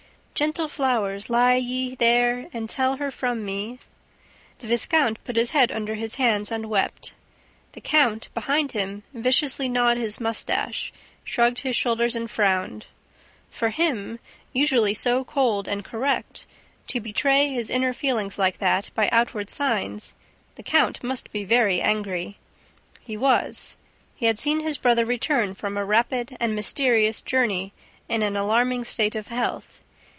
"Gentle flow'rs, lie ye there And tell her from me ..." The viscount put his head under his hands and wept. The count, behind him, viciously gnawed his mustache, shrugged his shoulders and frowned. For him, usually so cold and correct, to betray his inner feelings like that, by outward signs, the count must be very angry. He was. He had seen his brother return from a rapid and mysterious journey in an alarming state of health.